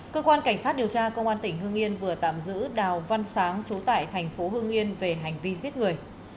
cơ quan cảnh sát điều tra công an tỉnh hương yên vừa tạm giữ đào văn sáng trú tại thành phố hương yên về hành vi giết người